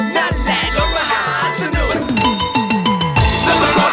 นั่นแค่รถมะหาสนุก